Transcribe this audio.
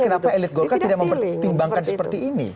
kenapa elit golkar tidak mempertimbangkan seperti ini